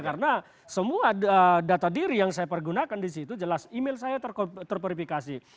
karena semua data diri yang saya pergunakan disitu jelas email saya terverifikasi